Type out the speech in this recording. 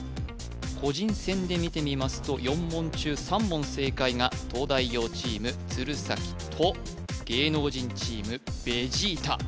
個人戦で見てみますと東大王チーム鶴崎と芸能人チームベジータ